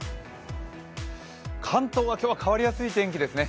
関東は、今日は変わりやすい天気ですね。